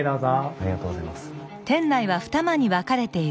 ありがとうございます。